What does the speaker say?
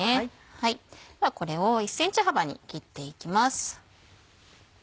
ではこれを１ｃｍ幅に切っていきます。